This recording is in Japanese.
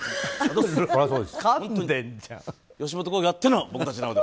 吉本興業あっての私たちなので。